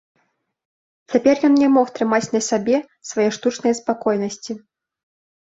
Цяпер ён не мог трымаць на сабе свае штучнае спакойнасці.